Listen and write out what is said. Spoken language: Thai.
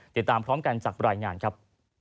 ติดตามพร้อมกันจากรายงานครับ